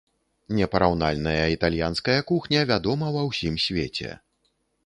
Непараўнальная італьянская кухня вядома ва ўсім свеце.